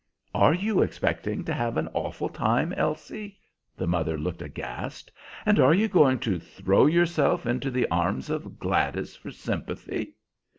"Are you expecting to have an 'awful time,' Elsie," the mother looked aghast, "and are you going to throw yourself into the arms of Gladys for sympathy?